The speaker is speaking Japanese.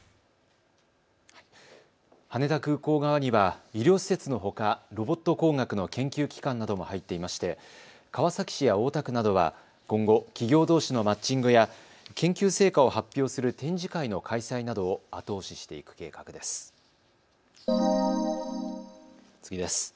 羽田空港側には医療施設のほかロボット工学の研究機関なども入っていまして川崎市や大田区などは今後、企業どうしのマッチングや研究成果を発表する展示会の開催などを後押ししていく計画です。